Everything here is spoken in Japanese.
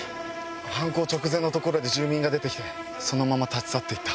犯行直前のところで住民が出て来てそのまま立ち去って行った。